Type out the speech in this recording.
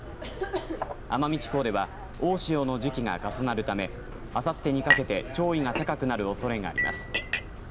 奄美地方では大潮の時期が重なるためあさってにかけて潮位が高くなるおそれがあります。